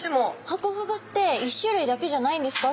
ハコフグって１種類だけじゃないんですか？